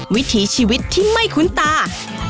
วิถีชีวิตที่ไม่คุ้นตา